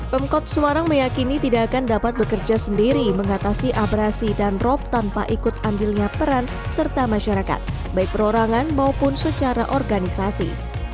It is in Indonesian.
pemkot semarang meyakini tidak akan dapat bekerja sendiri mengatasi abrasi dan rop tanpa ikut ambilnya peran serta masyarakat baik perorangan maupun secara organisasi